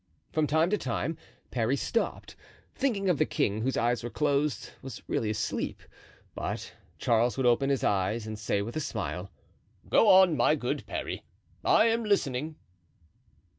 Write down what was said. From time to time Parry stopped, thinking the king, whose eyes were closed, was really asleep, but Charles would open his eyes and say with a smile: "Go on, my good Parry, I am listening."